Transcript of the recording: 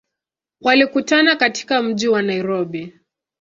Walikutana katika mji wa Nairobi.